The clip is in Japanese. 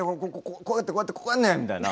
こうやって、こうやるねん！